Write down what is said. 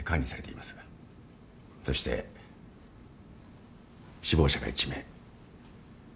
そして死亡者が１名。